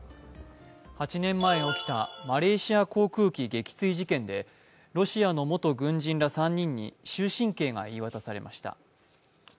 ８年前に起きたマレーシア航空機撃墜事件で、ロシアの元軍人ら３人に終身刑が言い渡されました。